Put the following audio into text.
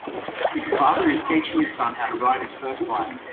A father is teaching his son how to ride his first bike.